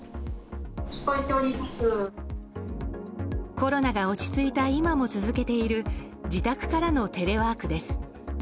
コロナが落ち着いた今も続けている自宅からのテレワークです。